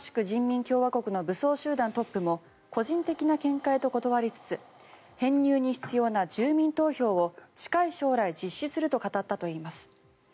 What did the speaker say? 人民共和国の武装集団トップも個人的な見解と断りつつ編入に必要な住民投票を近い将来実施すると語ったといいます。